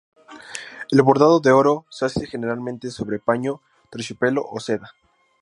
El bordado de oro se hace generalmente sobre paño, terciopelo o seda.